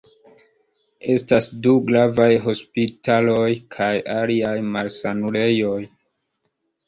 Estas du gravaj hospitaloj kaj aliaj malsanulejoj.